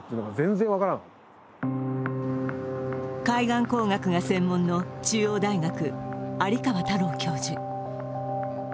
海岸工学が専門の中央大学・有川太郎教授。